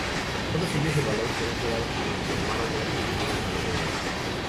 Todos ellos evaluados por un jurado que conformaron grandes figuras panameñas.